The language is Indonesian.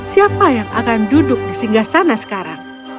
siapa yang akan duduk di singgah sana sekarang